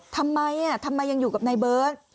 ทำไมทำไมยังอยู่กับนายเบิร์ต